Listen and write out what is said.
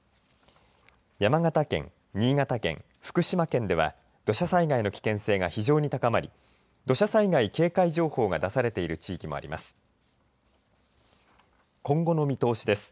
山形県、新潟県福島県では土砂災害の危険性が非常に高まり土砂災害警戒情報が出されている地域もあります。